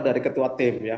dari ketua tim ya